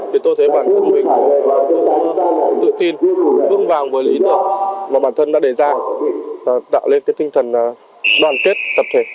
trong môi trường của lượng quán dân tôi thấy bản thân mình tự tin vương vàng với lý tưởng mà bản thân đã đề ra tạo lên tinh thần đoàn kết tập thể